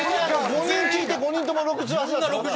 ５人聞いて５人とも６８だったから。